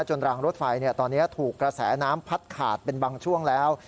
รางรถไฟตอนนี้ถูกกระแสน้ำพัดขาดเป็นบางช่วงแล้ว